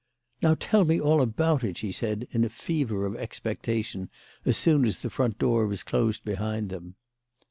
" Now tell me all about it," she said, in a fever of expectation, as soon as the front door was closed behind them.